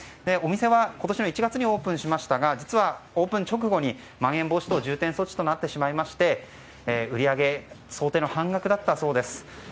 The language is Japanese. お店は今年１月にオープンしましたがオープン直後にまん延防止等重点措置となってしまいまして売り上げは想定の半額だったそうです。